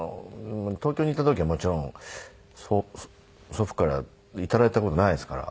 東京にいた時はもちろん祖父からいただいた事ないですから。